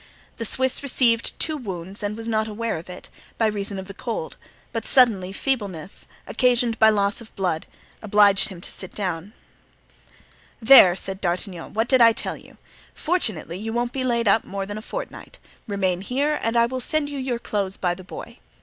The Swiss received two wounds and was not aware of it, by reason of the cold; but suddenly feebleness, occasioned by loss of blood, obliged him to sit down. "There!" said D'Artagnan, "what did I tell you? Fortunately, you won't be laid up more than a fortnight. Remain here and I will send you your clothes by the boy.